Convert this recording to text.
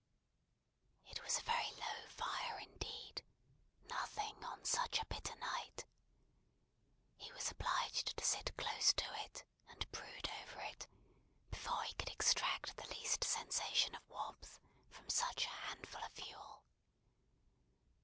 It was a very low fire indeed; nothing on such a bitter night. He was obliged to sit close to it, and brood over it, before he could extract the least sensation of warmth from such a handful of fuel.